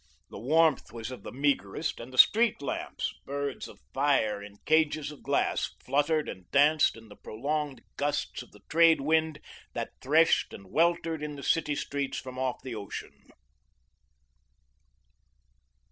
The warmth was of the meagerest, and the street lamps, birds of fire in cages of glass, fluttered and danced in the prolonged gusts of the trade wind that threshed and weltered in the city streets from off the ocean.